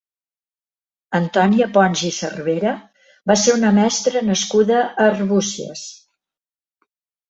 Antònia Pons i Cervera va ser una mestra nascuda a Arbúcies.